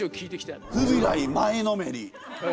フビライ前のめり。